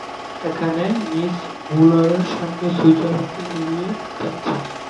এখন মিস মূলারের সঙ্গে সুইজরলণ্ডে বেড়াতে যাচ্ছি।